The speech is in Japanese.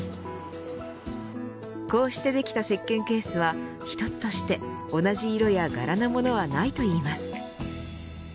こうしてできたせっけんケースは一つとして同じ色や柄のものはないといいます。